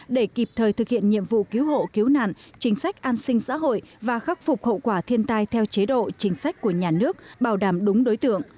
để kịp thời thực hiện nhiệm vụ cứu hộ cứu nạn chính sách an sinh xã hội và khắc phục hậu quả thiên tai theo chế độ chính sách của nhà nước bảo đảm đúng đối tượng